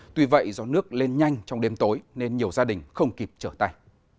tuy vậy do nước lên nhanh trong đêm tối nên nhiều gia đình không kịp trở tay